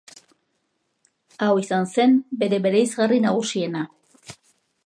Hau izan zen bere bereizgarri nagusiena.